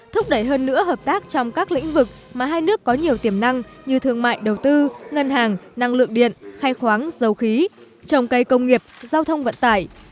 thúc đẩy hơn nữa hợp tác trong các lĩnh vực mà hai nước có nhiều tiềm năng như thương mại đầu tư ngân hàng năng lượng điện khai khoáng dầu khí trồng cây công nghiệp giao thông vận tải